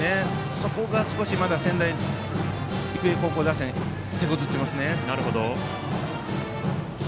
そこがまだ仙台育英高校打線てこずっていますよね。